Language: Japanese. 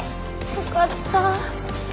よかった。